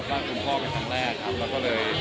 มีประสงคัญที่เลยอยากเอามาแล้วก็ชั้นเค้าเป็นฐาน